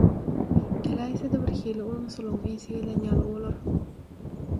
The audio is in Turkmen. Geläýse-de birhili ulumsylygyň ysy gelýän ýaly bolar.